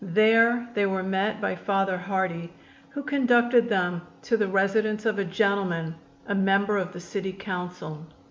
There they were met by Father Harty, who conducted them to the residence of a gentleman, a member of the City Council.